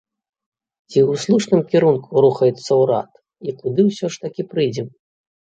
Ці ў слушным кірунку рухаецца ўрад, і куды ўсё ж такі прыйдзем?